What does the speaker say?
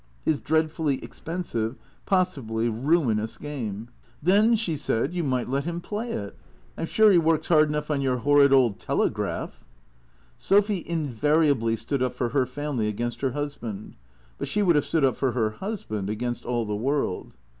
(His dreadfully expensive, possibly ruin ous game.) 168 T H E C E E A T 0 E S " Then," she said, " you might let him play it. I 'm sure he works hard enough on your horrid old ' Telegraph.' " Sophy invariably stood up for her family against her hus band. But she would have stood up for her husband against all the world.